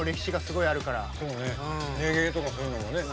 レゲエとかそういうのもね